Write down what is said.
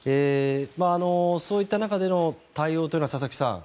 そういった中での対応というのは佐々木さん